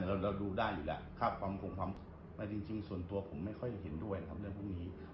เราดูได้อยู่แล้วแต่จริงส่วนตัวผมไม่ค่อยเห็นด้วยกับเรื่องพวกนี้